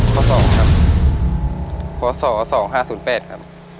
พศครับพศ๒๕๐๘ครับ